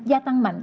gia tăng mạnh